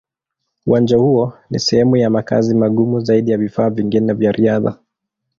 Uwanja huo ni sehemu ya makazi magumu zaidi ya vifaa vingine vya riadha.